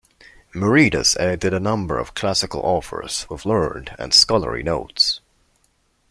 Muretus edited a number of classical authors with learned and scholarly notes.